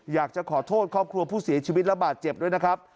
อยากจะขอโทษครอบครัวผู้เสียชีวิตระบาดเจ็บด้วยนะครับ